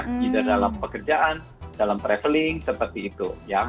juga dalam pekerjaan dalam travelling seperti itu ya